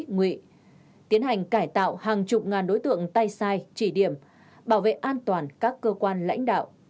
nguyện tiến hành cải tạo hàng chục ngàn đối tượng tay sai chỉ điểm bảo vệ an toàn các cơ quan lãnh đạo